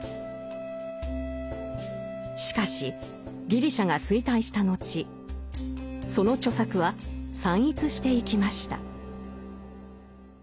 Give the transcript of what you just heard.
しかしギリシャが衰退した後その著作は散逸していきました。